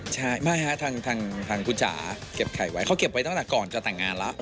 ใช่ไม่ฮะทางคุณจ๋าเก็บไข่ไว้เขาเก็บไว้ตั้งแต่ก่อนจะแต่งงานแล้ว